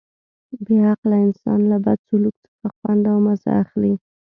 بې عقله انسان له بد سلوک څخه خوند او مزه اخلي.